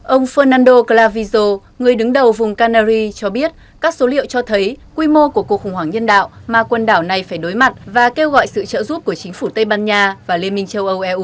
ông fernando clavijo người đứng đầu vùng canary cho biết các số liệu cho thấy quy mô của cuộc khủng hoảng nhân đạo mà quần đảo này phải đối mặt và kêu gọi sự trợ giúp của chính phủ tây ban nha và liên minh châu âu eu